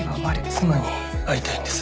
妻に会いたいんです